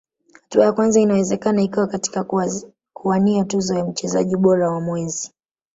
hatua ya kwanza inawezekana ikawa katika kuwania tuzo ya mchezaji bora wa mwezi